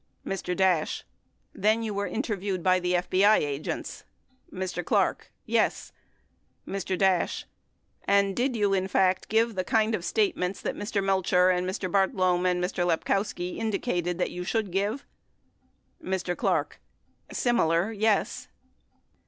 Mr. Dash. Then were you interviewed by the FBI agents ? Mr. Clark. Yes. Mr. Dash. And did you in fact give the kind of statements that Mr. Melcher and Mr. Bartlome and Mr. Lepkowski indi cated that you should give ? Mr. Clark. Similar, yes.